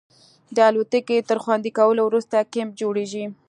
د الوتکې تر خوندي کولو وروسته کیمپ جوړیږي